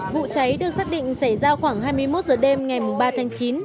vụ cháy được xác định xảy ra khoảng hai mươi một h đêm ngày ba tháng chín